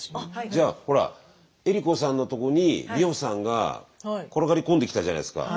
じゃあほら江里子さんのとこに美穂さんが転がり込んできたじゃないですか。